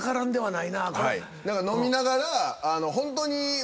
何か飲みながらホントに。